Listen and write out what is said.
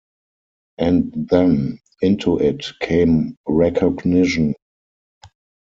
And then into it came recognition.